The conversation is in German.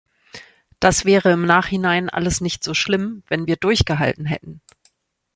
Das wäre im Nachhinein alles nicht so schlimm, wenn wir durchgehalten hätten.